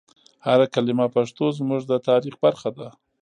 هر کلمه پښتو زموږ د تاریخ برخه ده.